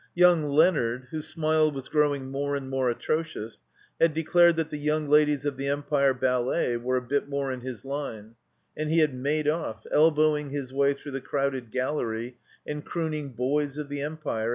Yoimg Leonard (whose smile was growing more and more atrocious) had declared that the yotmg ladies of the Empire ballet were a bit more in his Une, and he had made off, elbowing his way through the crowded gallery and crooning "Boys of the Empire!''